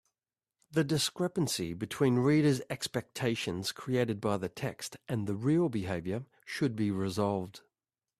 The discrepancy between reader’s expectations created by the text and the real behaviour should be resolved.